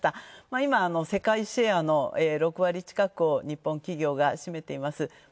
今、世界シェアの６割近くを日本企業が占めています。